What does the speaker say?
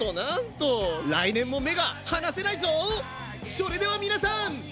それでは皆さん。